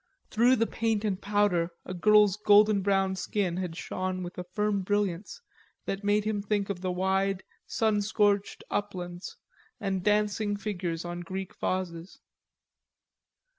Through the paint and powder a girl's golden brown skin had shone with a firm brilliance that made him think of wide sun scorched uplands, and dancing figures on Greek vases.